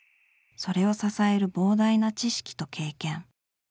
それを支える膨大な知識と経験。